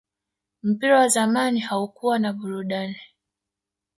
mpira wa zamani haukuwa na burudani